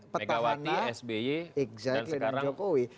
petahana sby dan sekarang jokowi